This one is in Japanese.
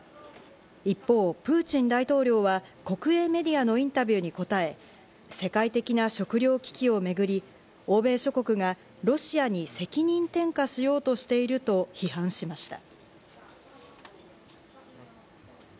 一方、プーチン大統領は国営メディアのインタビューに答え、世界的な食糧危機をめぐり欧米諸国がロシアに責任転嫁しようとしていると批判しました。